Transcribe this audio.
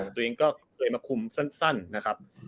ตัวเองก็เคยมาคุมสั้นนะครับ